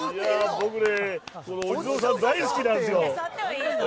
僕ね、お地蔵さん大好きなんですよ。